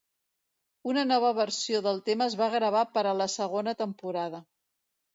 Una nova versió del tema es va gravar per a la segona temporada.